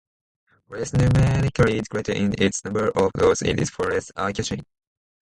Whilst numerically greater in its number of lords it is far less eye-catching.